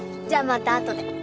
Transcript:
じゃあまた後で。